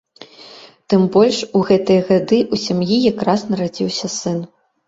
Тым больш у гэтыя гады ў сям'і якраз нарадзіўся сын.